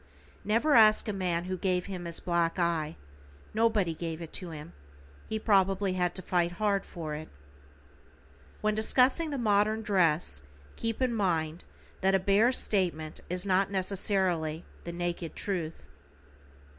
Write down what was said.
Never ask a man who gave him his black eye; nobody gave it to him, he probably had to fight hard for it. When discussing the modern dress, keep in mind that a bare statement is not necessarily the naked truth.